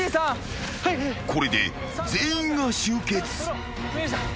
［これで全員が集結］